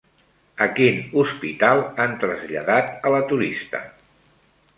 A quin hospital han traslladat a la turista?